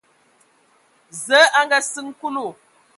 Zǝə a ngaasiŋ Kulu.